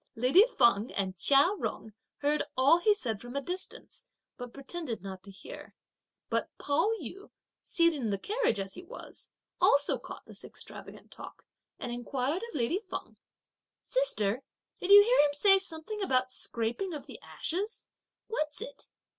Lady Feng and Chia Jung heard all he said from a distance, but pretended not to hear; but Pao yü, seated in the carriage as he was, also caught this extravagant talk and inquired of lady Feng: "Sister, did you hear him say something about 'scraping of the ashes?' What's it?"